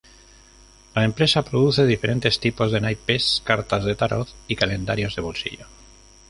La empresa produce diferentes tipos de naipes, cartas de tarot y calendarios de bolsillo.